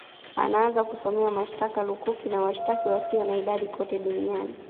anaanza kusomewa mashitaka lukuki na washitaki wasio na idadi kote Duniani